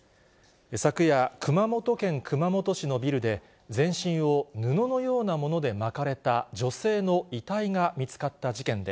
昨夜、熊本県熊本市のビルで、全身を布のようなもので巻かれた女性の遺体が見つかった事件で、